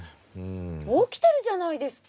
起きてるじゃないですか。